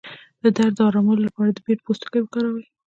د درد د ارامولو لپاره د بید پوستکی وکاروئ